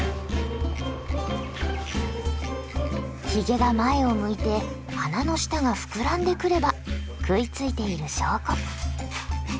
ヒゲが前を向いて鼻の下が膨らんでくれば食いついている証拠。